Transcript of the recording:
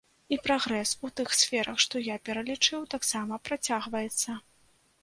І прагрэс у тых сферах, што я пералічыў, таксама працягваецца.